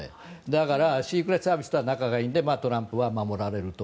だからシークレットサービスとは仲がいいのでトランプは守られると。